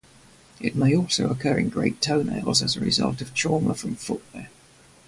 It may also occur in great toenails as a result of trauma from footwear.